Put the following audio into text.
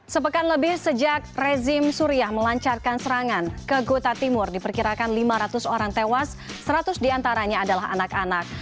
sepekan lebih sejak rezim suriah melancarkan serangan ke gota timur diperkirakan lima ratus orang tewas seratus diantaranya adalah anak anak